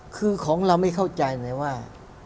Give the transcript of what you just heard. คือของเราไม่เข้าใจเลยว่า